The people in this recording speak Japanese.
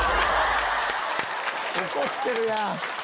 怒ってるやん！